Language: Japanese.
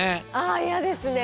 あ嫌ですね。